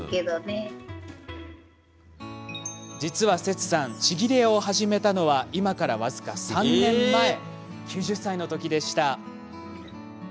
実は、セツさんちぎり絵作りを始めたのは今から僅か３年前９０歳のときでした。